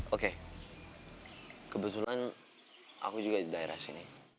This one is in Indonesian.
oke kebetulan aku juga di daerah sini